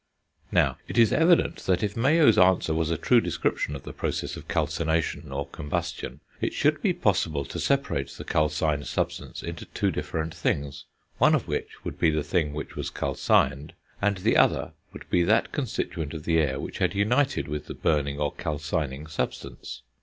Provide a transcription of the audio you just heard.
Now, it is evident that if Mayow's answer was a true description of the process of calcination, or combustion, it should be possible to separate the calcined substance into two different things, one of which would be the thing which was calcined, and the other would be that constituent of the air which had united with the burning, or calcining, substance.